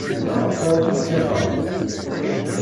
Maɣef ara ttixreɣ?